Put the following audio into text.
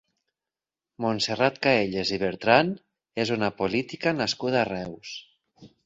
Montserrat Caelles i Bertran és una política nascuda a Reus.